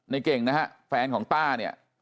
เก่งนะฮะแฟนของต้าเนี่ย